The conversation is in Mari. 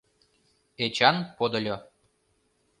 Эчан подыльо.